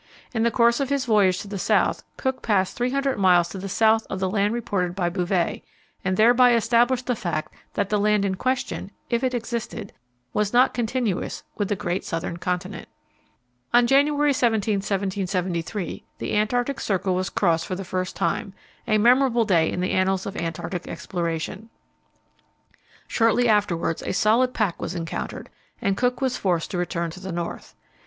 In the course of his voyage to the south Cook passed 300 miles to the south of the land reported by Bouvet, and thereby established the fact that the land in question if it existed was not continuous with the great southern continent. On January 17, 1773, the Antarctic Circle was crossed for the first time a memorable day in the annals of Antarctic exploration. Shortly afterwards a solid pack was encountered, and Cook was forced to return to the north.